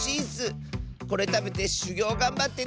これたべてしゅぎょうがんばってねって！